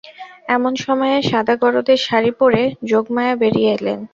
এমন সময়ে সাদা গরদের শাড়ি পরে যোগমায়া বেরিয়ে এলেন।